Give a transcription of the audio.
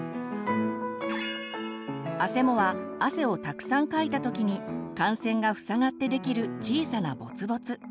あせもは汗をたくさんかいた時に汗腺が塞がってできる小さなボツボツ。